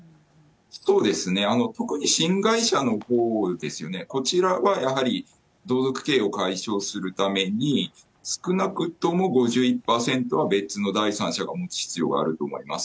そうですね、特に新会社の方ですよね、こちらはやはり同族経営を解消するために、少なくとも５１％は別の第三者が持つ必要があると思います。